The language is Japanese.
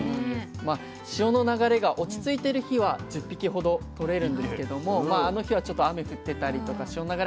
まあ潮の流れが落ち着いてる日は１０匹ほどとれるんですけどもあの日はちょっと雨降ってたりとか潮の流れ